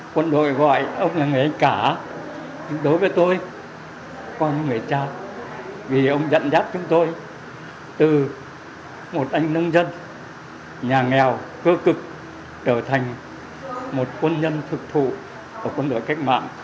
quân đội gọi ông là người anh cả đối với tôi con người cha vì ông dẫn dắt chúng tôi từ một anh nông dân nhà nghèo cơ cực trở thành một quân nhân thực thụ của quân đội cách mạng